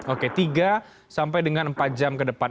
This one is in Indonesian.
oke tiga sampai dengan empat jam ke depan